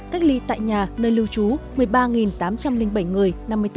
cách ly tại nhà nơi lưu trú một mươi ba tám trăm linh bảy người năm mươi bốn